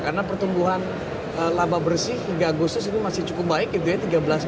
karena pertumbuhan laba bersih hingga agustus ini masih cukup baik gitu ya